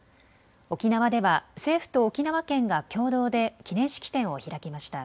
沖縄では政府と沖縄県が共同で記念式典を開きました。